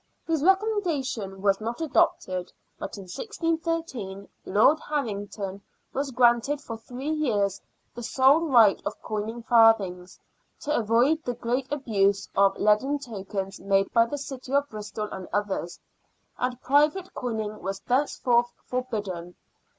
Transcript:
His recommendation was not adopted, but in 1613 Lord Harrington was granted for three years the sole right of coining farthings, " to avoid the great abuse of leaden tokens made by the city of Bristol and others," and private coining was thenceforth forbidden.